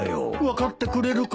分かってくれるかい？